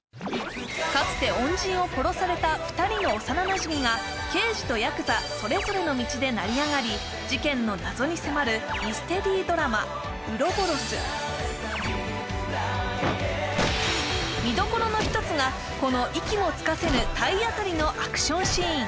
かつて恩人を殺された２人の幼なじみが刑事とヤクザそれぞれの道で成り上がり事件の謎に迫るミステリードラマ見どころの一つがこの息もつかせぬ体当たりのアクションシーン